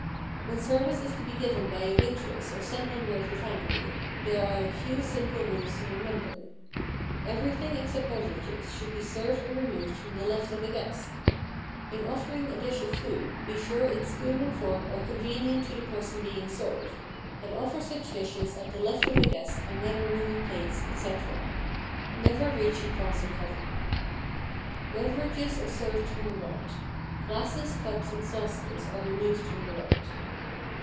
When service is to be given by a waitress or some member of the family, there are a few simple rules to remember. Everything except beverages should be served and removed from the left of a guest. In offering a dish of food be sure its spoon and fork are convenient to the French Soup and Bouillon Spoons Ancient model the person being served, and offer such dishes at the left of a guest and when removing plates, etc. Never reach across a cover. Beverages are served from the right. Glasses, cups, and saucers are removed from the right.